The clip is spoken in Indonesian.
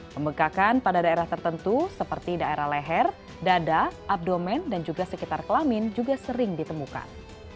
pembekakan pada daerah tertentu seperti daerah leher dada abdomen dan juga sekitar kelamin juga sering ditemukan